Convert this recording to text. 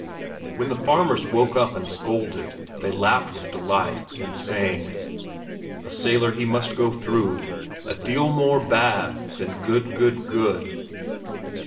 When the farmers woke up and scolded, they laughed with delight, and sang— "A sailor he must go through A deal more bad than good, good, good!"